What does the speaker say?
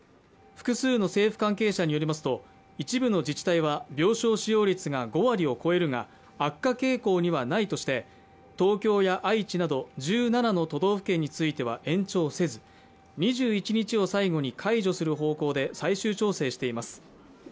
複数の政府関係者によりますと一部の自治体は病床使用率が５割を超えるが悪化傾向にはないとして東京や愛知など１７の都道府県については延長せず２１日を最後に解除する方向で最終調整しています